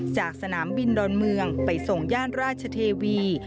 จากสนามบินดอนเมืองไปส่งย่านราชเทวี